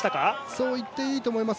そう言っていいと思います。